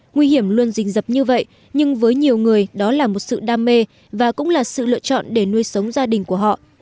nguy hiểm luôn rình dập như vậy nhưng với nhiều người đó là một sự đam mê và cũng là sự lựa chọn để nuôi sống gia đình của họ